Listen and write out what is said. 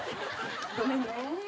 ごめんね。